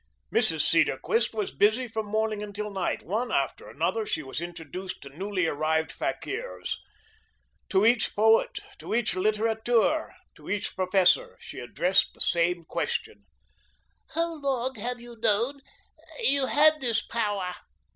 Mrs. Cedarquist was busy from morning until night. One after another, she was introduced to newly arrived fakirs. To each poet, to each litterateur, to each professor she addressed the same question: "How long have you known you had this power?"